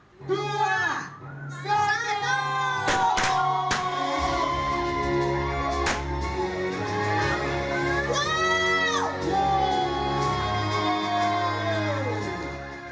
tiga dua satu